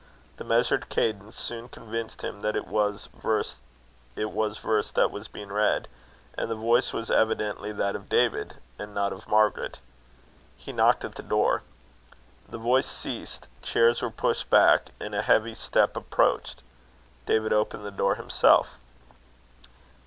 The measured cadence soon convinced him that it was verse that was being read; and the voice was evidently that of David, and not of Margaret. He knocked at the door. The voice ceased, chairs were pushed back, and a heavy step approached. David opened the door himself.